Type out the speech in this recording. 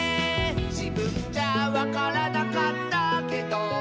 「じぶんじゃわからなかったけど」